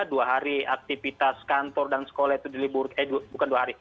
dua hari aktivitas kantor dan sekolah